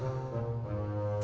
ya udah deh